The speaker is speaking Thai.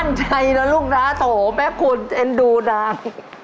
มั่นใจนะลูกน้าโตแม้คุณเอ็นดูนาง